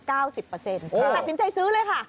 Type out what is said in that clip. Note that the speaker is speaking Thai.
ตัดสินใจซื้อเลยค่ะ